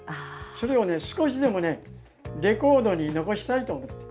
それを少しでもね、レコードに残したいと思う。